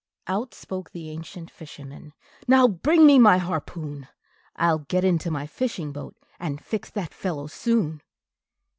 Out spoke the ancient fisherman, "Now bring me my harpoon! I'll get into my fishing boat, and fix the fellow soon."